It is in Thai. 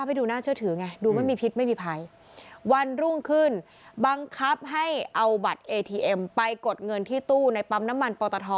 ไปดูน่าเชื่อถือไงดูไม่มีพิษไม่มีภัยวันรุ่งขึ้นบังคับให้เอาบัตรเอทีเอ็มไปกดเงินที่ตู้ในปั๊มน้ำมันปอตท